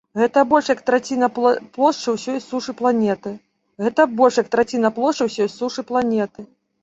Гэта больш як траціна плошчы ўсёй сушы планеты.